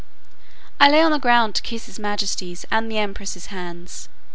I lay on the ground to kiss his majesty's and the empress's hands.